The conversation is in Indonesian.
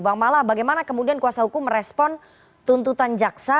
bang mala bagaimana kemudian kuasa hukum merespon tuntutan jaksa